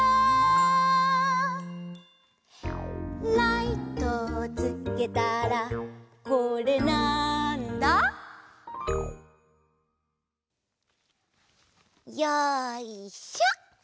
「ライトをつけたらこれ、なんだ？」よいしょ！